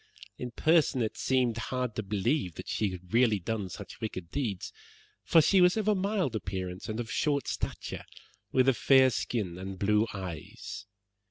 In person it seemed hard to believe that she had really done such wicked deeds, for she was of a mild appearance, and of short stature, with a fair skin and blue eyes.